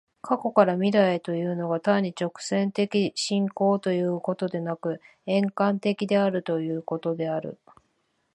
過去から未来へというのが、単に直線的進行ということでなく、円環的であるということである。